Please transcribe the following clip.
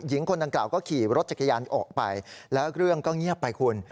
หญิงคนดังกล่าก็ขี่รถจักรยานออกไปแล้วเรื่องก็เงียบไปคุณ